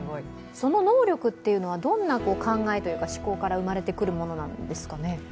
その能力というのはどんな考え、思考から生まれてくるものなんですかね？